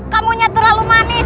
kamunya terlalu manis